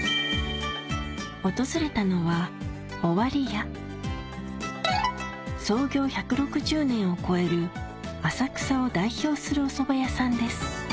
訪れたのは創業１６０年を超える浅草を代表するお蕎麦屋さんです